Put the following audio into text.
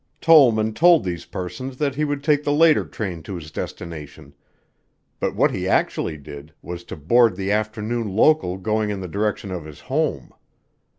Tollman told these persons that he would take the later train to his destination, but what he actually did was to board the afternoon local going in the direction of his home.